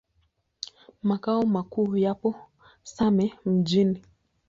Makao makuu yapo Same Mjini.